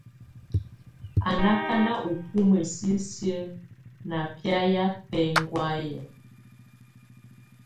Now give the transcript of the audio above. Á na akana ubumǝ sisi ná biayɛ bɛkɔ̀áyɛ.